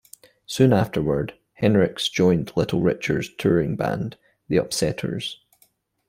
Soon afterward, Hendrix joined Little Richard's touring band, the Upsetters.